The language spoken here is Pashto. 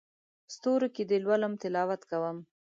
ستورو کې دې لولم تلاوت کوم